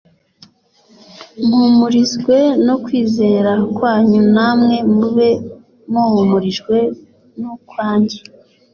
mpumurizwe no kwizera kwanyu namwe mube muhumurijwe n’ukwanjye